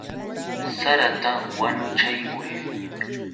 ¡Sarata wanuchamuy!